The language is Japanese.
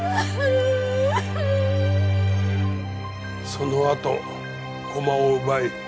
そのあと駒を奪い。